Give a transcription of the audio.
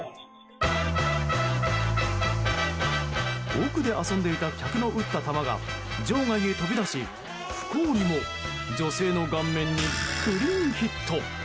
奥で遊んでいた客の打った球が場外へ飛び出し不幸にも女性の顔面にクリーンヒット。